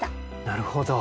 なるほど。